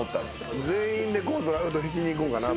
全員でドラフト引きにいくんかなと。